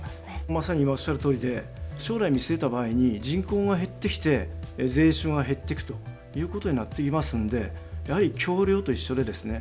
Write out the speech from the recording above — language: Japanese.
まさに今おっしゃるとおりで将来見据えた場合に人口が減ってきて税収が減ってくということになっていきますんでやはり橋りょうと一緒でですね